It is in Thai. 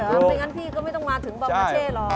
ไม่งั้นพี่ก็ไม่ต้องมาถึงบอพาเช่หรอก